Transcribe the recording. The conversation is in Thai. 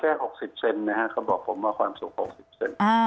ความสูงแค่๖๐เซนนะครับเขาบอกผมว่าความสูง๖๐เซน